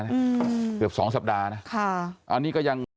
อืมเกือบสองสัปดาห์นะค่ะอันนี้ก็ยัง